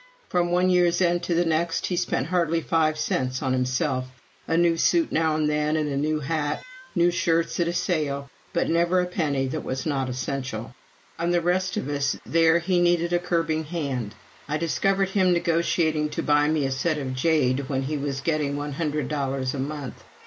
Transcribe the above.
From one year's end to the next, he spent hardly five cents on himself a new suit now and then, a new hat, new shirts at a sale, but never a penny that was not essential. On the rest of us there he needed a curbing hand! I discovered him negotiating to buy me a set of jade when he was getting one hundred dollars a month.